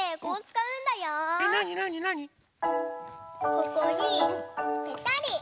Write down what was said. ここにぺたり。